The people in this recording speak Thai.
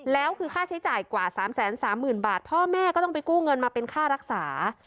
แล้วคือค่าใช้จ่ายกว่า๓๓๐๐๐บาทพ่อแม่ก็ต้องไปกู้เงินมาเป็นค่ารักษา